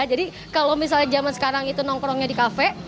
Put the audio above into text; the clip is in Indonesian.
jadi kalau misalnya zaman sekarang itu nongkrongnya di kafe